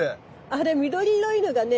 あれ緑色いのがね